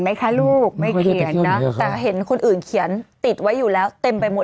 สมัยคันลูกไม่อย่างนี้นะครับเห็นคนอื่นเขียนติดไว้อยู่แล้วเต็มไปหมด